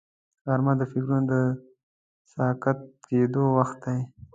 غرمه د فکرونو د ساکت کېدو وخت دی